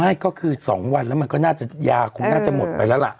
ไม่ก็คือ๒วันแล้วมันก็น่าจะยาคงน่าจะหมดไปแล้วล่ะ